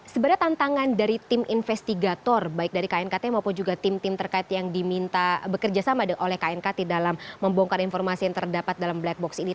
sebenarnya tantangan dari tim investigator baik dari knkt maupun juga tim tim terkait yang diminta bekerja sama oleh knkt dalam membongkar informasi yang terdapat dalam black box ini